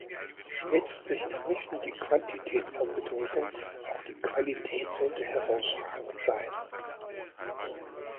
Letztlich ist nicht nur die Quantität von Bedeutung, auch die Qualität sollte herausragend sein.